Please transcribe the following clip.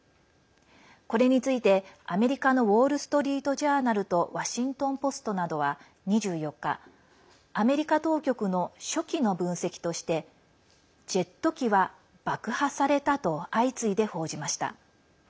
これについて、アメリカのウォール・ストリート・ジャーナルとワシントン・ポストなどは２４日アメリカ当局の初期の分析としてジェット機は爆破されたと相次いで報じました。